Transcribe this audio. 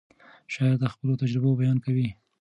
شاعر د خپلو تجربو بیان کوي.